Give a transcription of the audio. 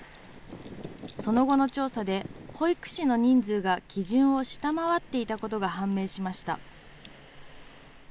その後の調査で、保育士の人数が基準を下回っていたことが判明しました。